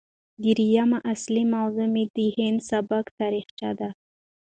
درييمه اصلي موضوع مې د هندي سبک تاريخچه ده